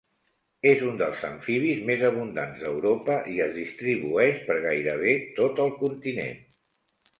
És un dels amfibis més abundants d'Europa i es distribueix per gairebé tot el continent.